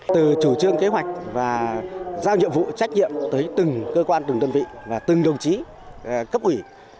từ chủ trương kế hoạch và giao nhiệm vụ trách nhiệm tới từng cơ quan từng đơn vị và từng đồng chí cấp ủy